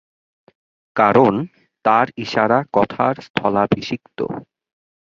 কারণ, তার ইশারা কথার স্থলাভিষিক্ত।